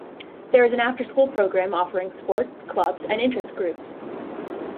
There is an after-school program offering sports, clubs, and interest groups.